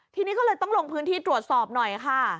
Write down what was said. ทีนี้ก็เลยต้องลงพื้นที่ตรวจสอบหน่อยค่ะ